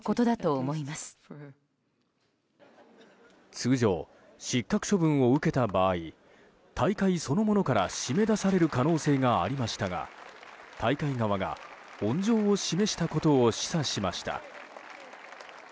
通常、失格処分を受けた場合大会そのものから締め出される可能性がありましたが大会側が温情を示したことを示唆しました。